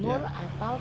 ke arah timur